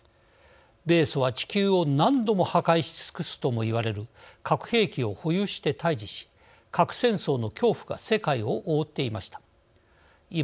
米ソは、地球を何度も破壊し尽くすともいわれる核兵器を保有して対じし核戦争の恐怖が世界を覆っていました。